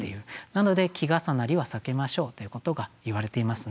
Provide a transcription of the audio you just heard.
なので季重なりは避けましょうということがいわれていますね。